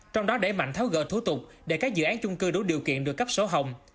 trong đó đẩy mạnh tháo gỡ thủ tục để các dự án chung cư đủ điều kiện được cấp sổ hồng